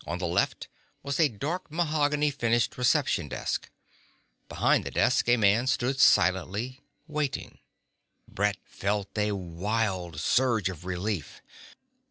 On the left was a dark mahogany finished reception desk. Behind the desk a man stood silently, waiting. Brett felt a wild surge of relief.